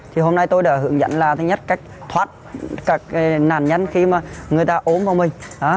thoát các nạn nhân khi mà người ta ốm vào mình